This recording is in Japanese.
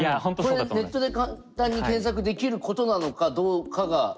これネットで簡単に検索できることなのかどうかが分からない。